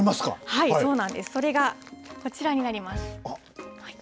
はい、そうなんです、それがこちらになります。